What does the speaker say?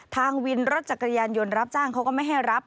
ทางวินรถจักรยานยนต์รับจ้างเขาก็ไม่ให้รับ